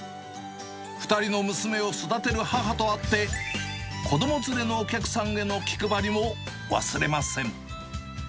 ２人の娘を育てる母とあって、子ども連れのお客さんへの気配りも忘れません。